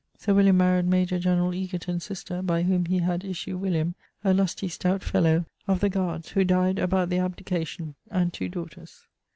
Sir William maried major generall Egerton's sister, by whom he had issue William, a lusty stout fellow, of the guards, who died about the abdication, and two daughters.